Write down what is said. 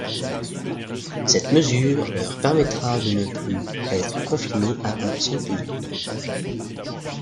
Cette mesure leur permettra de ne plus être confinés à un seul pays.